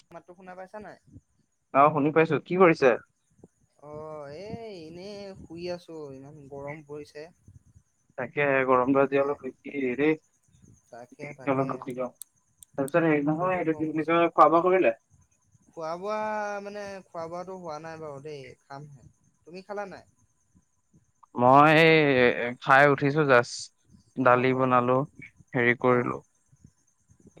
মোৰ মাত টো শুনা পাইছা নাই অ 'শুনি পাইছো কি কৰিছে অ' এই এনেই শুই আছোঁ ইমান গৰম পৰিছে। তাকে গৰম টো আজি তাকে অলপ বেছি তাকে তাকে তাৰপিছত নহয় বহুত গৰম হেৰী হৈছে। নহয় খোৱা বোৱা কৰিলিনে। খোৱা বোৱা মানে খোৱা বোৱাটো হোৱা নাই বাৰু দেই খামহে তুমি খালা নাই। মই খাই উঠিছো জাষ্ট। অ' দালি অ' অ' বনালো হেৰি অ' কৰিলো।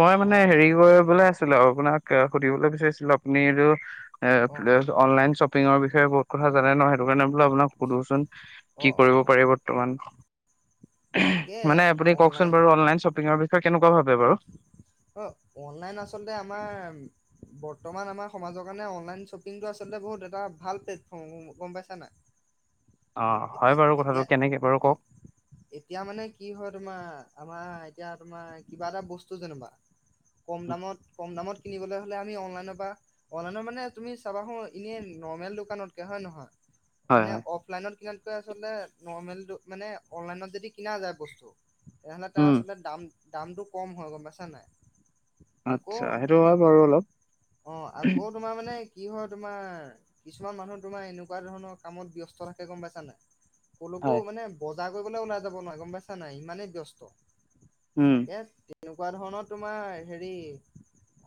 মই মানে অ' হেৰি কৰিবলৈ আছিলো আৰু আপোনাক সুধিবলৈ বিচাৰিছিলো আপুনি আৰু এ অ' অনলাইন শ্বপিঙৰ বিয় বহত কথা জানে ন সেই কাৰণে বোল আপোনাক সোধোচোন। অ' কি অ' কৰিব অ' পাৰি বৰ্তমান তাকে মানে আপুনি অনলাইন কওকচোন বাৰু অনলাইন শ্বপিংৰ পিছত কেনেকুৱা ভাবে বাৰু অ অনলাইন আচলতে আমাৰ বৰ্তমান আমাৰ সমাজৰ কাৰণে অনলাইন শ্বপিংটো আচলতে বহুত এটা ভাল প্লেটফৰ্ম গম পাইছ নাই। অ হয় এতিয়া বাৰু কথাটো এতিয়া কেনেকে বাৰু অ কওক এতিয়া মানে কি হয় তোমাৰ আমাৰ এতিয়া তোমাৰ কি? আমাৰ এতিয়া তোমাৰ কি? কম দামত কম দামত কিনিবলৈ হ'লে আমি অনলাইনৰ পৰা অনলাইনৰ মানে তুমি চাবাোন এনেই নৰ্মেল দোকানতকে হয় নহয়। হয় মানে হয় অফলাইনত কিমান? নৰ্মেল মানে অনলাইনত যদি কিনা যায় বস্তু। তেহলে তেওঁ উম আচলতে দাম দামটো? কম হয় গম পাইছা নাই আকৌ আচ্ছা সেইটো হয় বাৰু অলপ অ' আকৌ তোমাৰ মানে কি হয় তোমাৰ কিছুমান মানুহ তোমাৰ এনেকুৱা ধৰণৰ কামত ব্যস্ত থাকে গম পাইছানে? ক'লোকো হয় মানে ব বজা কৰিবলৈ ওলাই যাব নোৱাৰে গম পাইছা নাই ইমানেই ব্যস্ত উম তাকাত এনেকুৱা ধৰণৰ তোমাৰ হেৰি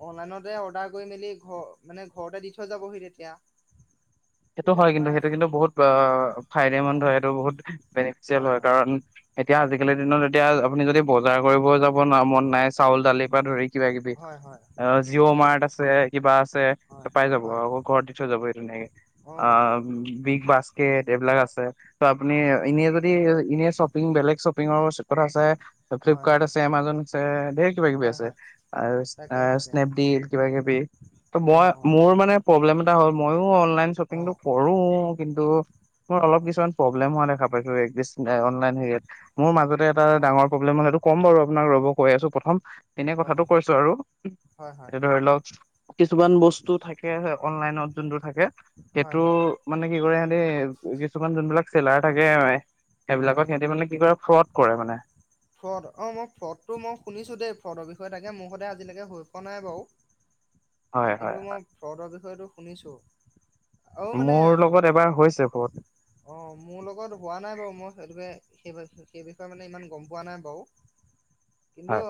অনলাইনতে অৰ্ডাৰ কৰি মেলি ঘ মানে ঘৰতে দি থৈ যাবহি তেতিয়া সেইটো তেতিয়া হয় কিন্তু তোমাৰ সেইটো কিন্তু বহুত ফাইদে অ' মন্দ হয় সেইটো বহুত বেনিফিচিয়েল হয় কাৰণ এতিয়া হয় আজিকালিৰ দিনত এতিয়া আপুনি যদি বজাৰ কৰিব যাব ন মন নাই চাউল দালিৰ পৰা ধৰি কিবা কিবি হয় হয় অ জিঅ' তাকে মাৰ্ট তাকে আছে কিবা আছে হয় পাই যাব হয় আকৌ ঘৰত দি থৈ যাব সেই তেনাকে অ' বিগ বাস্কেট এইবিলাক আছে। ত আপুনি হয় হয় এনে যদি এনে শ্বপিং বেলেগ শ্বপিংৰ কথা আছে হয় ফ্লিপকাৰ্ট হয় আছে এমাজ আছে ধেৰ কিবা কিবি হয় আছে হয় তাকে তাকে স্নেপডিল কিবা কিবি ত মই অ' অ' মোৰ মান হ'ল মইোলন অ' মোৰ অলপ অ' কিছুমান প্ৰব্লেম হোৱা দেখা পাইছো অনলাইন হেৰিয়াত মোৰ মাজতে এটা ডাঙ অ' প্ৰ্লেম সেইটো ক'ম বাৰু আপোনাক ৰ'ব কৈ আছো প্ৰথম- তেনে অ' কথাটো অ' কৈছো আৰু হয় হয় এ ধৰি লওক কিছুমান বস্তু থাকে অনলাইনত। যোনটো থাকে হয় সেইটো, হয় মানে কি কৰে তে কছোমান যোনি বিলাক চেলাৰ থাকে হয়, সেইবিলাকত সিহঁতি মানে কি কৰে ফ্ৰড কৰে মানে ফ্ৰড অ মই ফ্ৰডটো মই শুনিছো দেই, ফ্ৰডৰ বিষয়ে তা তেনেকে মোৰ সতে আজিলৈকে হৈ পোৱা নাই বাৰু। হয় হয় কিন্তু হয় মই ফ্ৰদৰ বিষয়তটো শুনিছোঁ। আৰু মানে, মোৰ লগত এবাৰ হৈছে ফ্ৰড অঁ মোৰ লগত হোৱা নাই বাৰু, মই ে [unintelligible] সেই সেই বিষয়ে মানে ইমান গম পোৱা নাই বাৰু কিন্তু হয়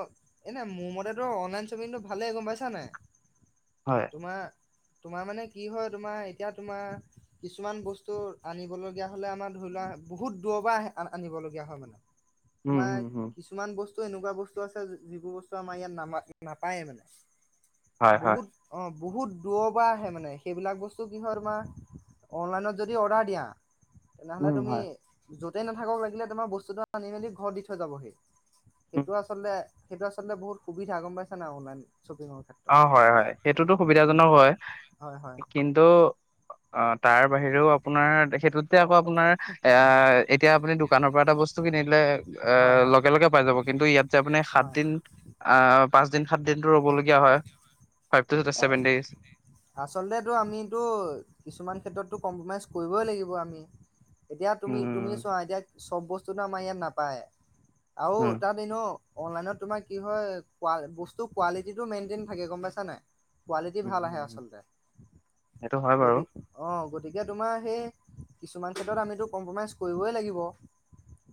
এনোই মোৰ মতেতো অনলাইন শ্বপিংটো ভালেই, গম পাইছ নাই? হয় তোমাৰ তোমাৰ মানে কি হয়, তোমাৰ এতিয়া তোমাৰ, কিছুমান বস্তু আনিবলগীয়া হলে আমাৰ ধৰি লোৱা, বহুত দুবাৰ আনিবলগীয়া হয় মানে। উম তোমাৰ হম হম কিছুমান বস্তু বস্তু এনেকুৱা বস্তু আছে, যিবোৰ বস্তু আমাৰ ইয়াত না নাপায়ে মানে। হয় হয় বহুত, অঁ বহুত দূৰৰ পৰা আহে মানে, সেইবিলাক বস্তু কি হয় তোমাৰ, অনলাইনত যদি অৰ্ডাৰ দিয়া তেনেহলে উম তুমি হয় য'তেই নাথাক লাগিলে তোমাৰ বস্তুটো আনি মেলি ঘৰত দি থৈ যাবহি। উম সেইটো আচলতে সেইটো আচলতে বহুত সুবিধা গম পাইছ না, অনওলাইন অঁ, হয়-হয়, সেইটোতো সুবিধাজনক হয়, হয় হয় কিন্তু অঁ, তাৰ বাহিৰেও আপোনাৰ, সেইটোত আকৌ আপোনাৰ, এ এতিয়া আপুনি দোকানৰ পৰা এটা বস্তু কিনিলে, হয় হয় লগে লগে পাই যাব, কিন্তু ইয়াত যে আপুনি হয় সাতিন, পাচ সাত্যিনটো ৰ'বাগে [unintelligible] িয়া হয় [unintelligible] এ', আচলতেটো আমিতো, কিছুমান ক্ষেত্ৰতো কম্প্ৰমাইজ কৰিবই লাগিব আমি। এতিয়া তুমি, তুমি উম, চোৱা এতিয়া চব বস্তু চোন আমাৰ ইয়াত নাপায়। আও উম, তাত ইনো অনলাইনত তোমাৰ কি হয়, বস্তু কোৱালিটিটো মেইনটেইন থাকে, গম পাইছা নাই? কোৱালিটি উম, ভাল আহে হুম, হুম। আচলতে, সেইটো হয় বাৰু গতি, অঁ গতি এতিয়া তোমাৰ সেই কিছুমান ক্ষেত্ৰত আমিতো কম্প্ৰমাইজ কৰিবই লাগিব।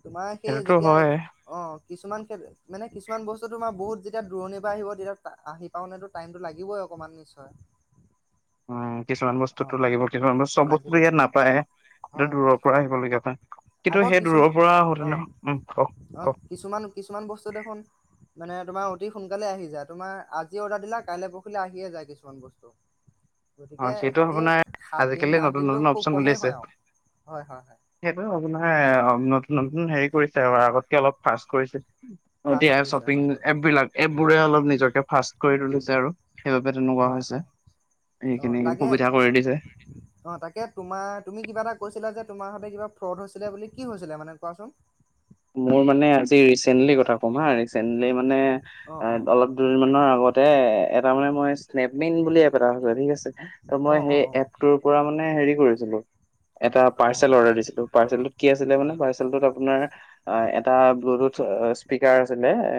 তোমাৰ সেই সেইটোতো যেতিয়া হয়। অ কিছুমান মানে কিছুমান বস্তু তোমাৰ বহুত যেতিয়া দূৰণিৰ পৰা আহিব তেতিয়া আহি পা নো টাইম সটো লাগিবই অকণমান নিশ্চয় উম কিছুমান অ বস্তুতটো লাগিব কিছুমান বস্তু চব বস্তু লাগিব ইয়াত লাগিব নাপায়টো হয় দূৰৰ পৰা আহিবলগীয়া হয় কিন্তু আকৌ সেই দূৰৰ কিছুমান পৰা হোটেলৰ অঁ উম, কওক অ কওক কিছুমান কিছুমান বস্তু দেখোন মানে তোমাৰ অতি সোনকালে আহি যা তোমাৰ আজি অৰ্ডাৰ দিলা কাইলৈ পৰখিলে আহিয়ে যায় কিছুমান বস্তু অ', গতিকে সেইটো এই আপোনাৰ সাতদিন আজিকালি আঠ নতুন নতুন দিনটো খুব অপচন কমেই উলিয়াইছে। হয় আৰু হয় হয় হয় ানে অ নতুন নতুন হেৰি কৰিছে তেওঁ আগতকে অলপ ফাষ্ট কৰিছিল ফাৰ্ষ্ট এতিয়া কৰিছে শ্বপিং হয় হয় এপ বিলাক এপ বোৰে অলপ নিজকে ফাৰ্ কৰি তুলিছে আৰু সেইবাবে তেনেকুৱা হয় হৈছে হয় অ সেইখিনি তাকে সুবিধা কৰি দিছে অ তাকে তোমাৰ তুমি কিবা এটা কৈছ তোমাৰতে কিবা ফ্ৰ হৈছিলে বুলি কি হৈছিলে মানে কোৱাচোন। মোৰ মানে আজি ৰিচেন্টলি কথা কম হা চলি মানে অ অ। অলপ দুৰি মানৰ। লগতে এটা মানে মই স্নেপমিন বুলিপ এ ঠিক আছে ত অ মই অ সেই অ এপটোৰ পৰা মানে হেৰি কৰিছিল ম এটা অ পাৰ্চেল অৰ্ডাৰ দিছিলো পাৰ্চেলটোত কি আছিলে হয় মানে হয় পাৰ্চেলটোত আপোনাৰ এটা ব্লুটুথ স্পীকাৰ আছিলে এ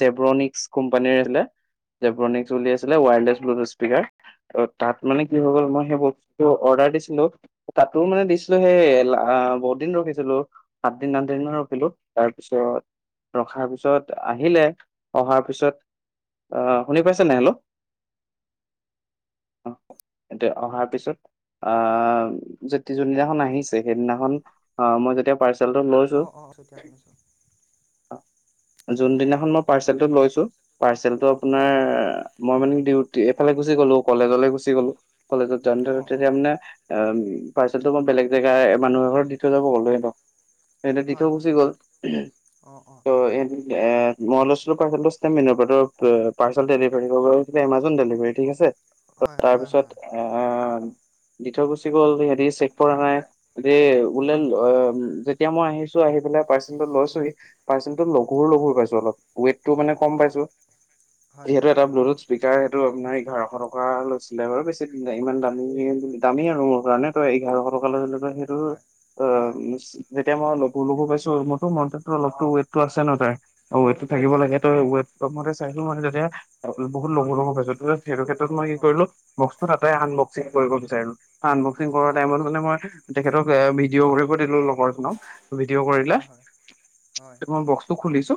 জেব্ৰনিক্স কোম্পানিৰ আছিলে জেব্ৰনিক্স বুলি আছিলে ৱায়াৰলেছ ব্লুটুথ স্পীকাৰ ত তাত মানে কি হৈ গ'ল মই সেই বস্তুটো অৰ্ডাৰ দিছিলো তাতো মানে দিছিলো সেই বহুত দিন ৰখিছিলো সাতিন। তাৰ পিছত ৰখাৰ পিছত আহিলে অাৰ পিছ শু পাই ন হল অাৰ পিছত আহ যখন আহি সেইদিনাখন মই লৈছো অঁ অঁ চতিয়া শুনিছোঁ যোনদিনাখন মই পাৰ্চেলটো লৈছো পাৰ্চেলটো আপোনাৰ হয় হয় মই মানে দি এইফালেুচি গলো কলেজলৈ গুচি গ'লো ফলতো অ জানাৰতে অ আম উ পাৰ্চেলতটো মই বেলেগ জেগা মানুহৰ ঘৰত দি থৈ যাব গ'লোহে এহতে দিখ হয় হয় গুচি গ'ল অ অ ত এহ এ মই লৈছিলো পাৰ্চেলটোছিল মিনপাটৰ পাৰ্চেল ডেলিভাৰী কৰিবাৰ এমাজন ডেলিভাৰী ঠিক আছে হয় হয় তাৰপিছত হয় আহ দি থৈ গুচি গ'ল হেৰি চেক পৰা নাই যে উওল হয় হয় অ এতিয়া মই আহিছো আহি পেলাই পাৰ্চেলটো লৈছো পাৰ্চেল। লগুৰ লগুৰ হয় পাইছো অলপ ৱটটো মানে কম অ পাইছো হয় হয় যিহেতু হয় এ স্পিকাৰ সেইটো আপোনাৰ এঘাৰশ টকা লৈছিলে বাৰু, বেছি ইমান দামী বুলি দামী আৰু মোৰ কাৰণে ত' এঘাৰশ টকা লৈছিল সেইটো, হয় হয় অঁ যেতিয়া মই লঘু-লঘু পাইছো, মোৰটো মনটোটটো অলপতো ৱেটতটো আছে ন তাৰ। অঁ, ৱেটটো থাকিব হয় লাগে হয় ত' ৱেট [unintelligible] হয় চাইছো মই যেতিয়া বহুত লঘু- লঘু পাইছ যে সেইটো ক্ষেত্ৰত মই কি কৰিলো, অ বক্সটো তাতে আন বক্স চেক কৰিব বিচাৰিলো। আনবক্সিং কৰা অ অ টাইমত মানে মই তেখেতক এ ভিডিঅ' কৰিব দিলো লগত ন ভিডিঅ' কৰিলে, হয় হয় হয় হয় মই বক্সটো খুলিছো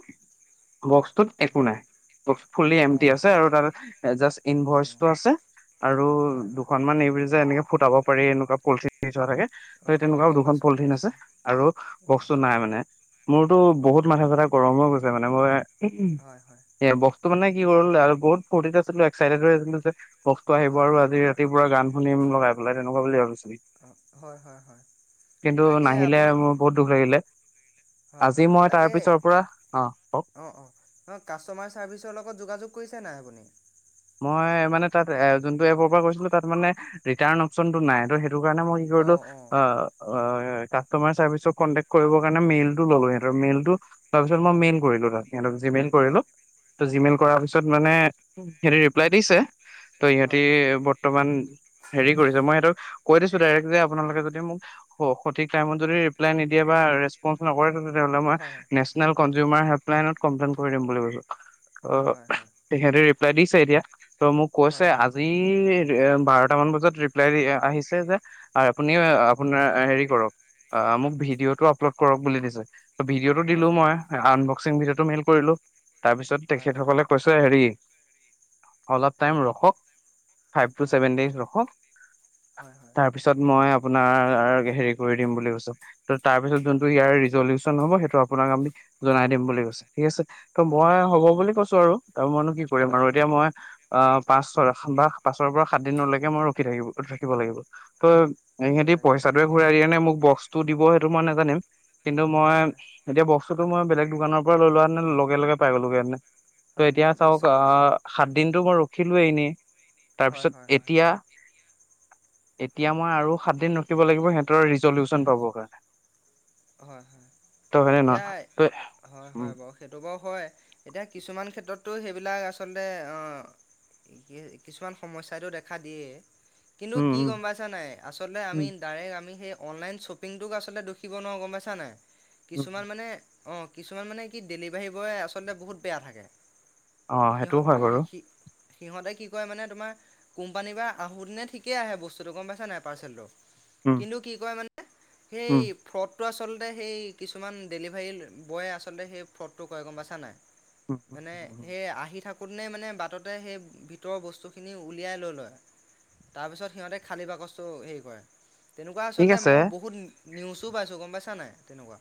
[inaudible] বক্সটোত একো নাই, বক্স ফুলি অ এমটি অ আছে, আৰু তাত জাষ্ট ইনভইচটো আছে আৰু হয় হয় দুখনমান যে এনেকে ফুটাব পাৰি এনেকুৱা পলথিন দি থোৱা থাকে। ত' অ এই অ তেনেকুৱাও গম দুখন পাইছোঁ গম পলিথিন আছে। পাইছোঁ আৰু অ বস্তু নাই মানে, মোৰতো অ বহুত মাথা কথা গৰম হৈ গৈছে মানে মই হয় হয় [unintelligible] ত' মানে কি হ'ল আৰু বহুত ফূৰ্তিত আছিলো এক্সাইটেড হৈ আছিলো যে বক্সটো আহিব হয় আৰু হয় আজি হয় ৰাতিপুৱা গান শুনিম লগাই পেলাই তেনেকুৱা বুলি ভাবিছিলো, অ হয় হয় হয় কিন্তু তাকে নাহি সেইয়াই আপুনি আৰু মোৰ বহুত দুখ লাগিলে। হয়- আজি হয়, মই তাৰ তাকে পিছৰ পৰা অ ক অ- অ, কাষ্টমাৰ চাৰ্ভিচৰ লগত যোগাযোগ কৰিছে নাই আপুনি। মই মানে তাত এ যোনটো এপৰ পৰা কৰিছিলো, তাত মানে ৰিটাৰ্ণ অপশচনটো নাই ত' সেইটো সেইটো কাৰণে মই কি কৰিলোঁ, অঁ - অঁ এ কাষ্টমাৰ চাৰ্ভিচক কনটেক কৰিব কাৰণে মেইলটো ল'লোঁ সিহঁতৰ, মেইলটো [unintelligible] তাৰপিছত মই হয় মেইল কৰিলো, সিহঁতক জিমেইল কৰিলো, হয় ত' জিমেইল হয় হয় কৰাৰ পিছত মানে [inaudible] সি ৰিপ্লাই দিছে। ত' ইহতি হয় হয় বৰ্তমান হেৰি কৰিছে মই সিহতক কৈ দিছো ডাইৰেক্ট যে আপোনালোকে যদি মোক সঠিক টাইমত যদি ৰিপ্লাই নিদিয়ে বা ৰেচপন্ঞ্চ নকৰে তেনেহ'লে মই হয় নেচনেল কনজিওমাৰ হেল্পলাইন কম্লেন কৰিম বুলি কলোঁ। হয় অহ হয় ', তেখেতে লেডিছ এৰিয়া। ত মোক হয় কৈছে হয় হয় আজি। বাৰট মান বজাত ৰিপ্লাই দি আহিছে যে। আৰু আপুনি হয় আপোনাৰ হেৰি কৰক? অহ ', মোক ভিডিঅ'টো আপলোড কৰক বুলি দিছে। ভিডিঅ'তটো অঁ দিলো অঁ মই আন। চিডটো মেইল কৰিলো। তাৰ পিছত হয় হয় তেখেতসকলে কৈছ হেৰি। অলপ টাইম অঁ ৰখক ফাইভ টো চভেন ডেজ ৰখক। অঁ হয় হয় তাৰপিছত মই। আপোনাৰ হেৰি কৰি দিম বুলি কৈছো। ত', তাৰপিছত অঁ যোনটো ইয়াৰ ৰিজলিউচন হব সেইটো আপোনাক আমি জনাই দিম বুলি কৈছে। ঠিক আছে ত' অঁ মই অঁ হ'ব অঁ বুলি কৈছো আৰু তাৰ মইনো কি অঁ আৰু অঁ এতিয়া মই আহ', পাঁচ বা পাচৰ পৰা সাত দিনলৈকে মই ৰখি থাকিব ৰাখিব লাগিব। ত' তাকে ইহতি তাকে পইচাটোোৱে ঘূৰাই দিয়া নে মোক ব বস্তু দিব সেইটো মই নেজানিম। কিন্তু মই হয় হয় এতিয়া ব। বস্তোটো মই বেলেগ দোকানৰ পৰা লৈ লোৱা আনিলোঁ লগে- লগে পাই গলো কাৰণে। হয়, অহ', নি-নিশ্চয়। সাত দিনতটো মই ৰ খেলুৱে এনে। হয় তাৰপিছত হয় হয় এতিয়া। এতিয়া অঁ মই আৰু সাত দিন ৰখিব লাগিব। সিহঁতৰ ৰিজল্যোচন পাবৰ কাৰণে। হয়-হয়, তই হয়নে এতিয়া নহয় তই হয়-হয় বাৰু, সেইটো বাৰু হয়। এতিয়া কিছুমান ক্ষেত্ৰতো সেইবিলাক আচলতে, অহ', কি-কিছুমান সমস্যাইটো দেখা দিয়ে। কিন্তু উম কি উম গম পাইছা নাই, আচলতে আমি ডাইৰেক্ট আমি সেই অনলাইন শ্বপিংটোক আচলতে দুখী নোৱাৰো গম পাইছা নাই। উম উম কিছুমান মানে অ', কিছুমান মানে কি ডেলিভাৰী বয় আচলতে বহুত বেয়া থাকে। অ', সিহঁত সেইটোও হয় সি বাৰু। সি সিহঁতে কি কৰে মানে তোমাৰ, কোম্পানীৰ পৰা আহোঁতেনে ঠিকেই আহে বস্তুটো গম পাইছা নাই পাৰ্চেলটো। উম কিন্তু কি কৰে মানে, সেই উম টো আচলতে সেই কিছুমান ডেলিভাৰী বয়ে আচলতে সেই ফ্ৰডটো কৰে গম পাইছা নাই। উম মানে উম উম সেই আহি থাকো থাকোতেনেই মানে বাটতে সেই ভিতৰৰ বস্তুখিনি উলিয়াই লৈ লয়, তাৰপিছত সিহঁতে খালী বাকচটো হেৰি কৰে। তেনেকুৱা ঠিক আচলতে আছে মই বহুত নি নিউজ তো পাইছোঁ গম পাইছাে নাই, তেনেকুৱা।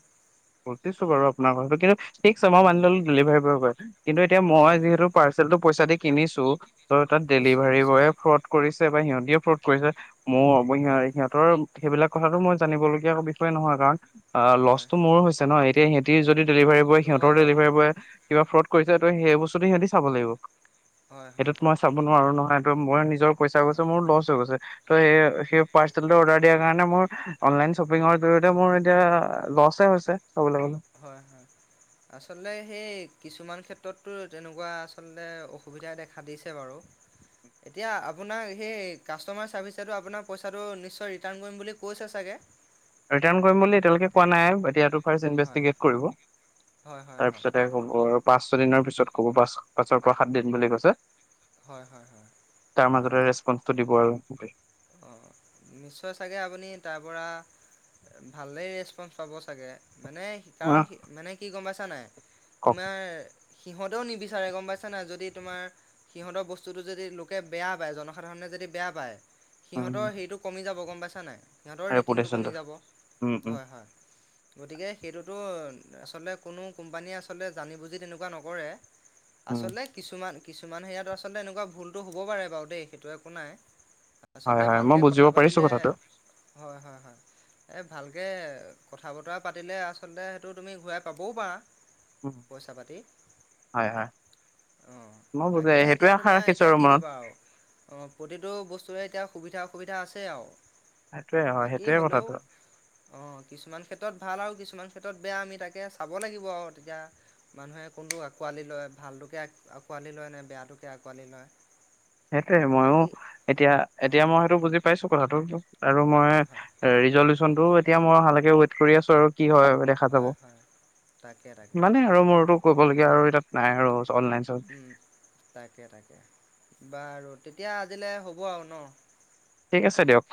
বুজিছো বাৰু আপোনাৰ কথাটো, কিন্তু ঠিকছে মই হয় মানি হয় ললো ডেলিভাৰী বয়ে কৰে। কিন্তু এতিয়া মই হয় হয়। যিহেতু পাৰ্চেলতটো পইচা দি কিনিছো ত' তাত নিশ্চয় ডেলিভাৰী নিশ্চয় বয়ে ফ্ৰড কৰিছি বা সিহঁতিয়ে ফ্ৰত কৰিছে মোৰ অব হয় সিহঁ-সিহঁতৰ সেইবিলাক কথাতটো মই জানিবলগীয়া বিষয়ে নহয়, কাৰণ আ', লছ হয় তো মোৰো হৈছ হয় এতিয়া সিহঁতি যদি ডেলিভাৰী বয়, এইটো সিহঁতৰ হয় বাৰু ডেলিভাৰী বয়ে কিবা ফ্ৰড কৰিছে ত সেই বস্তুটো সিহঁতি চাব লাগিব। হয় হয় সেইটোত মই চাব নোৱাৰো নহয়। একম মই নি নিজৰ পইচা গৈছে হয় মোৰ লচ হৈ গৈছে। ত স সেই পাৰ্চেল অৰ্ডাৰ দিয়াৰ কাৰণে মোৰ অনলাইন শ্বপিংৰ জৰিয়তে মোৰ এতিয়া লচ হৈছে। চাবলৈ গ'লে হয়-হয় আচলতে সেই কিছুমান ক্ষেত্ৰততো তেনেকুৱা আচলতে অসুবিধা দেখা দিছে বাৰু, এতিয়া আপোনাক সেই কাষ্টমাৰ চাৰ্ভিচেতো আপোনাৰ পইচাটো নিশ্চয় ৰিটাৰ্ণ কৰিম বুলি কৈছে চাগে। ৰিটাৰ্ণ কৰিম বুলি এতিয়ালৈকে কোৱা নাই এতিয়াতো। ফাৰ হয়, ইনভেষ্টিগেট কৰিব হয়, হয়, হয়, তাৰপিছতে হব। পাঁচ ছ দিনৰ পিছত ক'ব পাঁচ পাঁছৰ পৰা সাত দিন বুলি কৈছে। হয়, হয়, হয়। তাৰ মাজত ৰেছপন্, দিব আৰু। অঁ নিশ্চয় চাগে আপুনি তাৰপৰা, ভালেই ৰেচপন্ঞ্চ পাব চাগে? মানে আহ কাৰণ মানে কি গম পাইছে আ নাই? কওক তোমাৰ সিহঁতেও নিবিচাৰে গম পাইছে নাই। যদি তোমাৰ সিহঁতৰ বস্তুটো যদি লোকে বেয়া পাই, জনসাধাৰণে যদি বেয়া পাই। সিহঁতৰ উম, হেটো কমি যাব গম পাইছা নাই? ইিহঁতৰ ৰেটিংটো কমি ৰেপুটেশ্যনটো যাব, উম উম হয় হয়। গতিকে সেইটোতো আচলতে কোনো কোম্পানীয়ে আচলতে জানি বুজি তেনেকুৱা নকৰে। উম আচলতে কিছুমান কিছুমান সেয়াত আচলতে এনেকুৱা ভুলটো হ'ব পাৰে বাৰু দেই সেইটো একো নাই। হয় আচলতে হয় মই ভালকে কথা বুজিব পাৰিছো পাতিলে, কথাটো হয় হয় হয়। এই ভালকে কথা বতৰা পাতিলে আচলতে, সেইটো তুমি ঘূৰাই পাবও পাৰা। উম, পইচা পাতি। হয় হয় অ মই বুজে তাকে সেইটোৱে এতিয়া আশা তোমাৰ ৰাখিছো এতিয়া আৰু কি মনত কবা আও। অ প্ৰতিটো বস্তুৱে সুবিধা অসুবিধা আছে আও। সেইটোৱে হয় বাকী সেইটোৱে হলেও, কথাটো অ কিছুমান ক্ষেত্ৰত ভাল আও, কিছুমান ক্ষেত্ৰত বেয়া আমি তাকে চাব লাগিব আও, এতিয়া মানুহে কোনটো আকোৱালি লয় ভালটোকে আঁকোৱালি লয় নে বেয়া টোকে আঁকোৱালি লয়? সেইটোৱে ময়ো বাকী এতিয়া। অঁ এতিয়া মই সেইটো বুজি পাইছো কথাটো। আৰু মই হয় হয় ৰিজলো টো এতিয়া মই অহালেকে ৱেইত কৰি আছো আৰু। কি হয় দেখা যাব। হয় হয় তাকে তাকে সিমানে আৰু মোৰতো। কবলগীয়া আৰু ই তাত নাই আৰু। অনলাইন চ উম তাকে তাকে। বাৰু তেতিয়া আজিলে হ'ব আও ন? ঠিক আছে দিয়ক।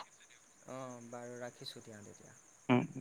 অঁ বাৰু ৰাখিছোঁ দিয়া তেতিয়া। উম।